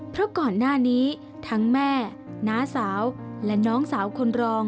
เพราะก่อนหน้านี้ทั้งแม่น้าสาวและน้องสาวคนรอง